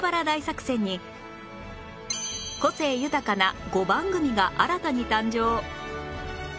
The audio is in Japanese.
大作戦に個性豊かな５番組が新たに誕生